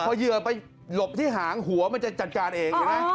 พอเหยื่อไปหลบที่หางหัวมันจะจัดการเองใช่ไหม